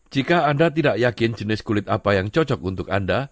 jika anda tidak yakin jenis kulit apa yang cocok untuk anda